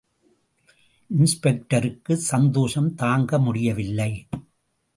இன்ஸ்பெக்டருக்குச் சந்தோஷம் தாங்க முடியவில்லை.